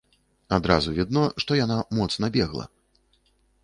Адразу відно, што яна моцна бегла.